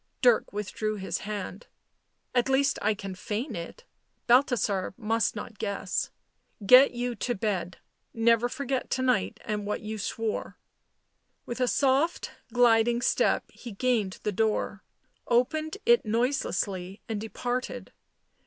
Dirk withdrew his hand. " At least I can feign it — Balthasar must not guess — get you to bed — never forget to night and what you swore." With a soft gliding step he gained the door, opened it noiselessly, and departed.